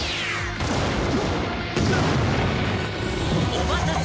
お待たせ。